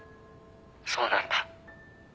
そうなんだ。